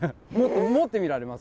持ってみられます？